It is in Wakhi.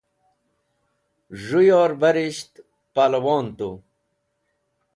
z̃hu yorbar'esht palwon tu